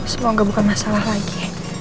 semoga bukan masalah lagi